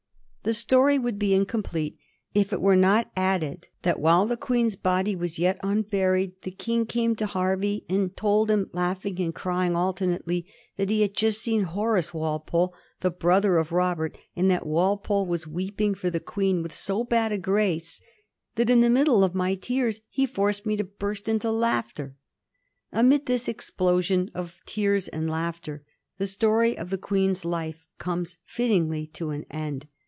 The story would be incomplete if it were not added that while the Queen's body was yet unburied the King came to Hervey and told him, laughing and crying alternately, that he had just seen Horace Walpole, the brother of Robert, and that Walpole was weeping for the Queen with so bad a grace " that in the middle of my tears he forced me to burst into laughter." Amid this explosion of tears and laughter the story of the Queen^s life comes fittingly to an end.